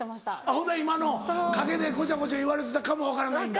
ほんだら今の陰でごちゃごちゃ言われてたかも分からないんだ。